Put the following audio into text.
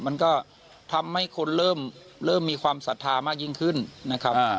มันก็ทำให้คนเริ่มมีความศรัทธามากยิ่งขึ้นนะครับ